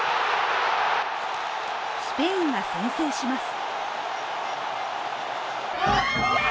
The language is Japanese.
スペインが先制します。